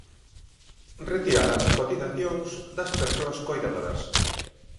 Retirar as cotizacións das persoas coidadoras.